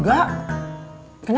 masuk ke sana